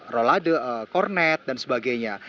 rolade kornet dan sebagainya